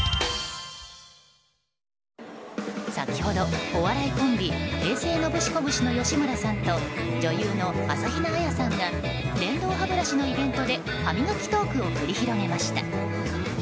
先ほど、お笑いコンビ平成ノブシコブシの吉村さんと女優の朝比奈彩さんが電動歯ブラシのイベントで歯磨きトークを繰り広げました。